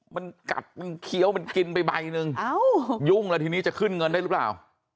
มันกัดมันเคี้ยวมันกินไปใบหนึ่งยุ่งแล้วทีนี้จะขึ้นเงินได้หรือเปล่า